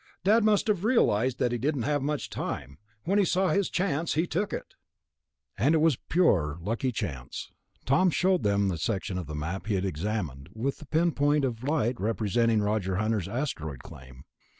Dad must have realized that he didn't have much time. When he saw his chance, he took it." And it was pure, lucky chance. Tom showed them the section of the Map he had examined, with the pinpoint of light representing Roger Hunter's asteroid claim.